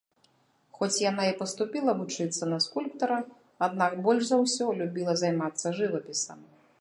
Хоць яна і паступіла вучыцца на скульптара, аднак больш за ўсё любіла займацца жывапісам.